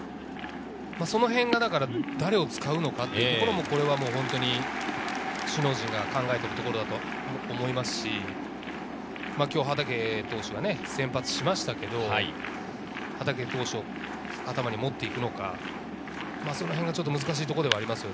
そのへんが、だから誰を使うのかというのも、首脳陣が考えていることだと思いますし、今日、畠投手が先発しましたけれど、畠投手を頭に持っていくのか、そのへんちょっと難しいところではあります。